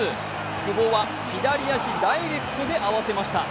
久保は左足ダイレクトで合わせました。